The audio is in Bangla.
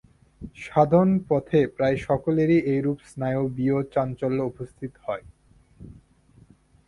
সাধনপথে প্রায় সকলেরই এইরূপ স্নায়বীয় চাঞ্চল্য উপস্থিত হয়।